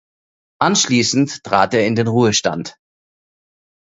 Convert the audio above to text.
Anschließend trat er in den Ruhestand.